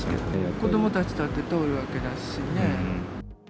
子どもたちだって通るわけだしね。